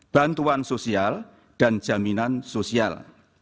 bantuan sosial dan jaminan sosial